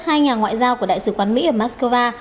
hai nhà ngoại giao của đại sứ quán mỹ ở moscow